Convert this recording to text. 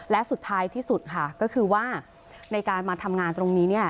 และสุดท้ายที่สุดค่ะก็คือว่าในการมาทำงานตรงนี้เนี่ย